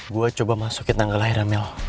gua coba masukin tanggal lahirnya mel